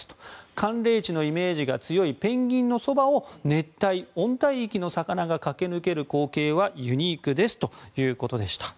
寒冷地のイメージが強いペンギンのそばを熱帯・温帯域の魚が駆け抜ける光景はユニークですということでした。